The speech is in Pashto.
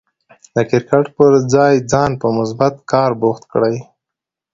د کرکټ پر ځای ځان په مثبت کار بوخت کړئ.